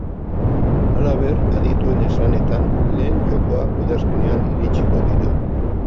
Halaber, adituen esanetan, lehen jokoak udazkenean iritsiko dira.